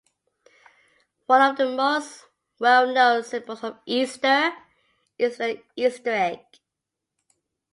One of the most well-known symbols of Easter is the Easter egg.